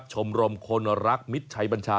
ชมรมคนรักมิตรชัยบัญชา